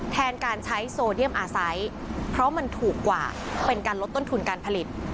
แทนการใช้โซเดียมอาศัยเพราะมันถูกกว่าเป็นการลดต้นทุนการผลิต